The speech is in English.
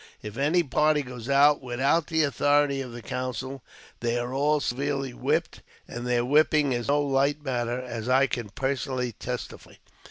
If any party goes out without the authority of the | council, they are all severely whipped ; and their whipping is no light matter, as I can personally testify.